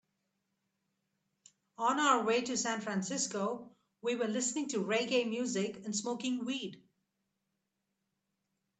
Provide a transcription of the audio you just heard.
On our way to San Francisco, we were listening to reggae music and smoking weed.